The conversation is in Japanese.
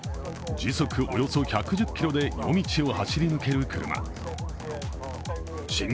時速およそ１１０キロで夜道を走り抜ける車。